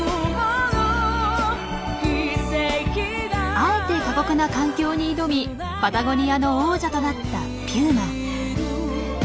あえて過酷な環境に挑みパタゴニアの王者となったピューマ。